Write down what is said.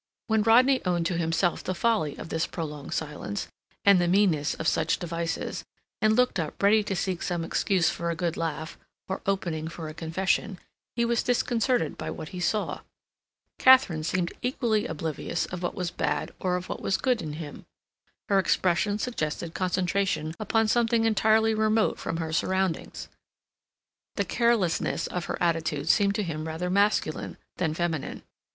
When Rodney owned to himself the folly of this prolonged silence, and the meanness of such devices, and looked up ready to seek some excuse for a good laugh, or opening for a confession, he was disconcerted by what he saw. Katharine seemed equally oblivious of what was bad or of what was good in him. Her expression suggested concentration upon something entirely remote from her surroundings. The carelessness of her attitude seemed to him rather masculine than feminine.